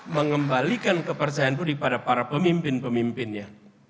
mengembalikan kepercayaan publik pada para pemimpin pemimpinnya